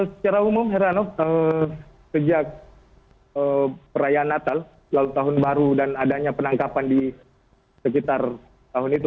secara umum heranov sejak perayaan natal lalu tahun baru dan adanya penangkapan di sekitar tahun itu